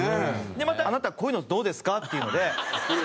またあなたこういうのどうですか？っていうので。